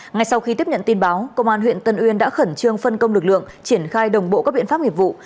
ngay sau khi tiếp nhận tin báo công an huyện tân uyên đã khẩn trương phân công lực lượng triển khai đồng bộ các biện pháp nghiệp vụ